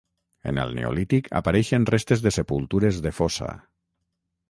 En el neolític apareixen restes de sepultures de fossa.